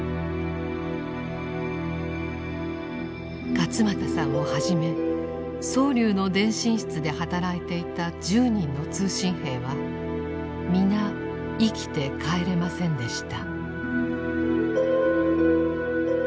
勝又さんをはじめ蒼龍の電信室で働いていた１０人の通信兵は皆生きて帰れませんでした。